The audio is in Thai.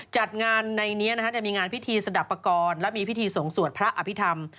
จัดงานในนี้จะมีงานพิธีสะดับปกรณ์และมีพิธีส่งสวดพระอภิษฐรรม